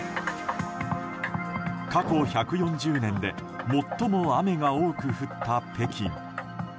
過去１４０年で最も雨が多く降った北京。